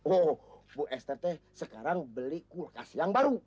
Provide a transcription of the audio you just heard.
oh bu ester teh sekarang beli kulkas yang baru